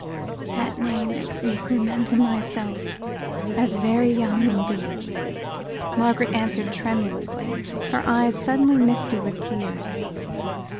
"That name makes me remember myself as very young indeed," Margaret answered tremulously, her eyes suddenly misty with tears.